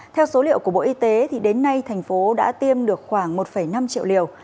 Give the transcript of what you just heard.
theo số liệu của bộ y tế đến nay tp hcm đã tiêm được khoảng một năm triệu liều